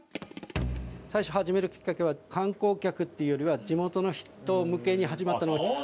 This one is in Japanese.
最初始めるきっかけは観光客っていうよりは地元の人向けに始まったのがきっかけなんです。